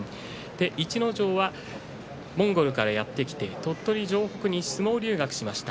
逸ノ城はモンゴルからやって来て鳥取城北に相撲留学しました。